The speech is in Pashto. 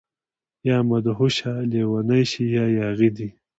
يا مدهوشه، لیونۍ شي يا ياغي دي